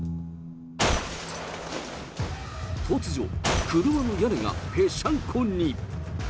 突如、車の屋根がぺしゃんこに。